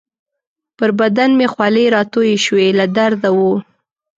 پر بدن مې خولې راتویې شوې، له درده وو.